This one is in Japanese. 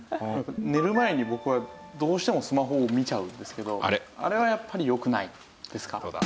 寝る前に僕はどうしてもスマホを見ちゃうんですけどあれはやっぱりよくないですか？